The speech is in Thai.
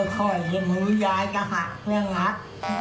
ค่อยมือยายก็หักเพื่อนหัก